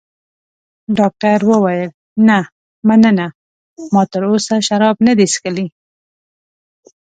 ډاکټر وویل: نه، مننه، ما تراوسه شراب نه دي څښلي.